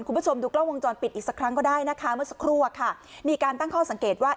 คุณผู้ชมดูกล้องวงจรปิดอีกสักครั้งก็ได้นะคะเมื่อสักครู่อะค่ะมีการตั้งข้อสังเกตว่า